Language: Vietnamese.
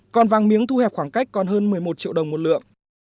còn vàng miếng thu hẹp khoảng cách còn hơn một mươi một triệu đồng một lượng